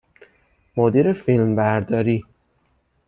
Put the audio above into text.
مدیر فیلمبرداری